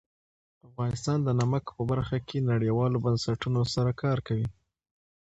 افغانستان د نمک په برخه کې نړیوالو بنسټونو سره کار کوي.